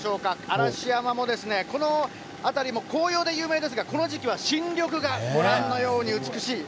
嵐山も、この辺りも紅葉で有名ですが、この時期は新緑が、ご覧のように美しい。